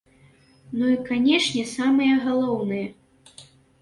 Ну і, канечне, самае галоўнае.